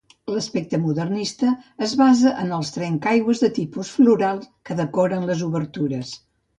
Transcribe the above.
L'aspecte modernista es basa en els trencaaigües de tipus floral que decoren les obertures.